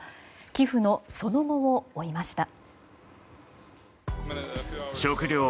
寄付のその後を追いました。